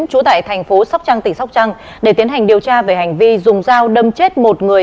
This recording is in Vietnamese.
trú tại thành phố sóc trăng tỉnh sóc trăng để tiến hành điều tra về hành vi dùng dao đâm chết một người